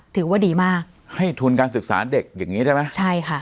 ถือว่าดีมากให้ทุนการศึกษาเด็กอย่างงี้ใช่ไหมใช่ค่ะ